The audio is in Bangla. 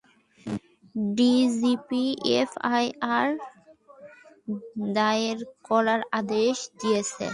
ডিজিপি এফআইআর দায়ের করার আদেশ দিয়েছে।